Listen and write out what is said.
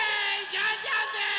ジャンジャンです！